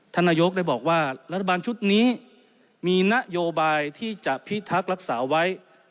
ท่านนายกได้บอกว่ารัฐบาลชุดนี้มีนโยบายที่จะพิทักษ์รักษาไว้